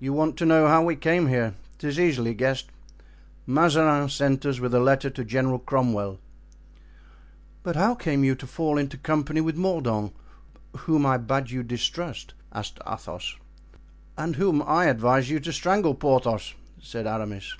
"You want to know how we came here? 'Tis easily guessed. Mazarin sent us with a letter to General Cromwell." "But how came you to fall into company with Mordaunt, whom I bade you distrust?" asked Athos. "And whom I advised you to strangle, Porthos," said Aramis.